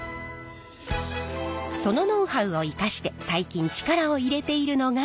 そのノウハウを生かして最近力を入れているのが。